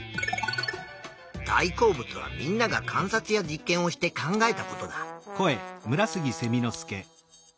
大好物はみんなが観察や実験をして考えたことだ。